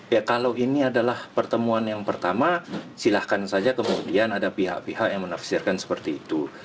ya kalau ini adalah pertemuan yang pertama silahkan saja kemudian ada pihak pihak yang menafsirkan seperti itu